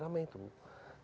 kalau di punggung